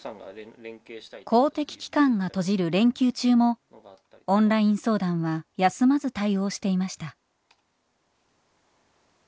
公的機関が閉じる連休中もオンライン相談は休まず対応していました。